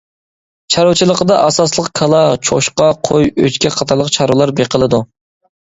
چارۋىچىلىقىدا ئاساسلىق كالا، چوشقا، قوي، ئۆچكە قاتارلىق چارۋىلار بېقىلىدۇ.